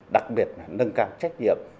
đặc biệt là nâng cao trách nhiệm